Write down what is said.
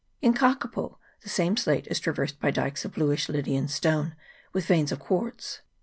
In Kakapo the same slate is traversed by dikes of bluish Lydian stone, with veins of quartz.